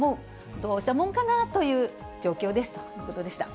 どうしたもんかなという状況ですということでした。